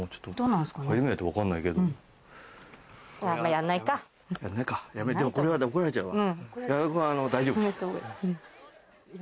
やんないかやめておこうこれは怒られちゃうわ。